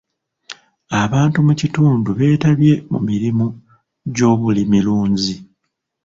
Abantu mu kitundu beetabye mu mirimu gy'obulimirunzi.